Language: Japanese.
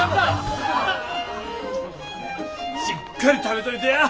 しっかり食べといてや。